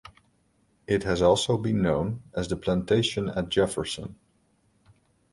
It has also been known as the Plantation at Jefferson.